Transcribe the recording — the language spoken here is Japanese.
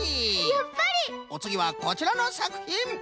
やっぱり！おつぎはこちらのさくひん！